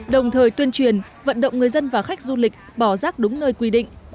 đồng thời tuyên truyền vận động người dân và khách du lịch bỏ rác đúng nơi quy định